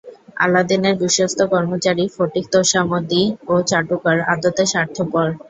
আলাদিনের বিশ্বস্ত কর্মচারী ফটিক তোষামোদী ও চাটুকার, আদতে স্বার্থপর।